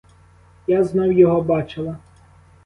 Я знов його бачила.